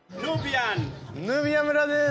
ヌビア村です